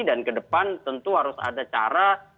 dan ke depan tentu harus ada cara